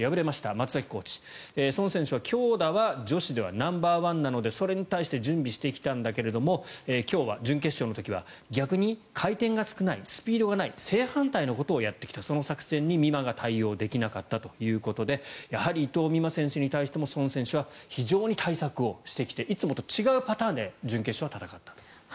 松崎コーチ、ソン選手は強打は女子ではナンバーワンなのでそれに対して準備してきたんだけれども今日は、準決勝の時は逆に回転が少ないスピードがない正反対のことをやってきたその作戦に、美誠が対応できなかったということでやはり伊藤美誠選手に対してもソン選手は非常に対策をしてきていつもと違うパターンで準決勝は戦ったと。